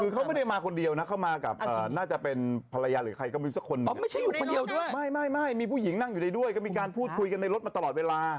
คุณเริ่มแปลกอากาศร้อนแล้วเถอะเนอะ